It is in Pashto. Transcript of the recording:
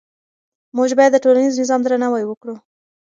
موږ باید د ټولنیز نظام درناوی وکړو.